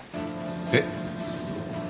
えっ？